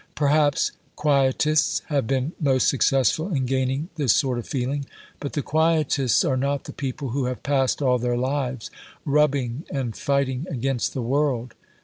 Perhaps quietists have been most successful in gaining this sort of feeling, but the quietists are not the people who have passed all their lives rubbing and fighting against the world.